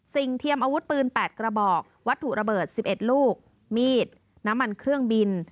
เทียมอาวุธปืน๘กระบอกวัตถุระเบิด๑๑ลูกมีดน้ำมันเครื่องบิน